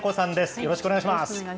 よろしくお願いします。